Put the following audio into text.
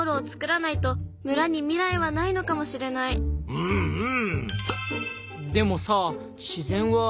うんうん！